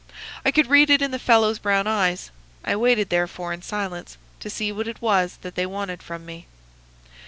I could read it in the fellow's brown eyes. I waited, therefore, in silence, to see what it was that they wanted from me.